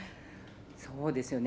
そうですよね。